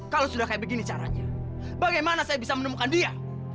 kalau sudah kayak begini caranya bagaimana saya bisa menemukan dia